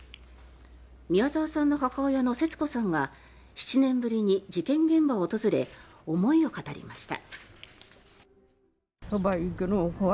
宮沢さんの母親の節子さんが７年ぶりに事件現場を訪れ思いを語りました。